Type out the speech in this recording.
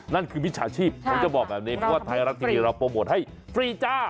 นั่นคือมิจฉาชีพผมจะบอกแบบนี้เพราะว่าไทยรัฐทีวีเราโปรโมทให้ฟรีจ้า